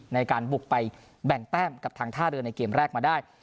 ในการบุกไปแบ่งแต้มกับทางท่าเรือในเกมแรกมาได้